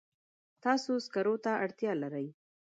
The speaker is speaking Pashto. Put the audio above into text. تاسو سکرو ته اړتیا لرئ.